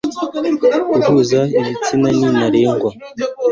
guhuza ibitsina ni ntarengwa